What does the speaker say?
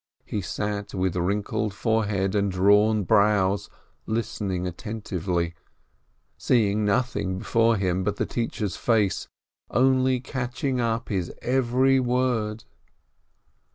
He sat with wrinkled forehead and drawn brows, listening attentively, seeing nothing before him but the teacher's face, only catching up his every word.